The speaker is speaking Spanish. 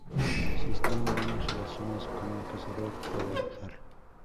Si está en buenas relaciones con un cazador, puede ayudarlo.